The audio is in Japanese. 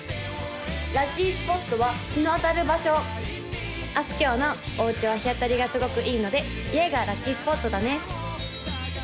・ラッキースポットは日の当たる場所・あすきょうのおうちは日当たりがすごくいいので家がラッキースポットだね